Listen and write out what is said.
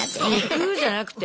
じゃなくて。